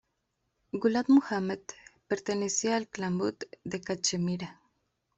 Ghulam Muhammad pertenecía al clan Butt de Cachemira.